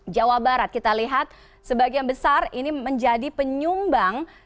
jawa barat kita lihat sebagian besar ini menjadi penyumbang